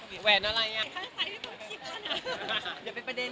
เดี๋ยวไปไปเดินเด่ง